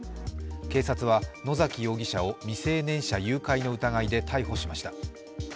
警察は野崎容疑者を未成年者誘拐の疑いで逮捕しました。